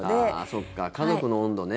そっか、家族の温度ね。